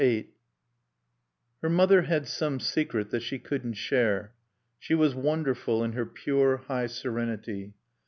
VIII Her mother had some secret that she couldn't share. She was wonderful in her pure, high serenity.